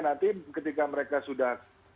nanti ketika mereka sudah